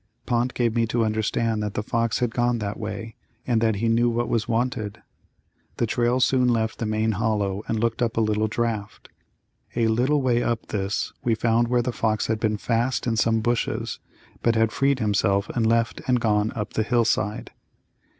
Pont gave me to understand that the fox had gone that way and that he knew what was wanted. The trail soon left the main hollow and took up a little draft. A little way up this we found where the fox had been fast in some bushes but had freed himself and left and gone up the hillside.